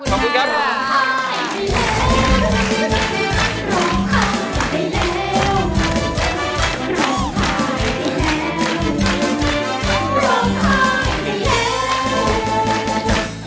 ขอบคุณค่ะ